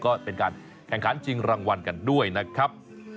ก็เป็นการแข่งขันชิงรางวัลกันด้วยนะครับ